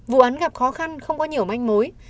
vụ án gặp khó khăn không có nhiều manh mối